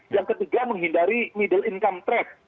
yang ketiga menghindari middle income track